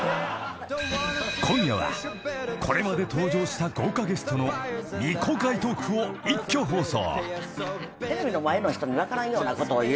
［今夜はこれまで登場した豪華ゲストの未公開トークを一挙放送］